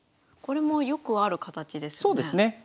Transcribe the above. これもよくある形ですよね。